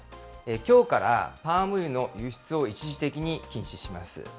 きょうからパーム油の輸出を一時的に禁止します。